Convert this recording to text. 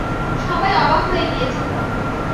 সবাই অবাক হয়ে গিয়েছিল।